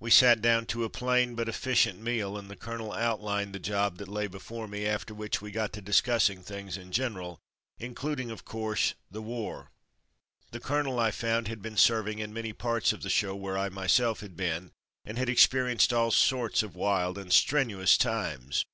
We sat down to a plain but efficient meal, and the colonel outlined the job that lay before me, after which we got to discuss ing things in general, including, of course, the war. The colonel, I found, had been serving in many parts of the show where I myself had been, and had experienced all sorts of wild and strenuous times.